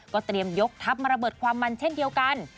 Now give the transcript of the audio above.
เตรียมยกทัพมาระเบิดความมันเช่นเดียวกัน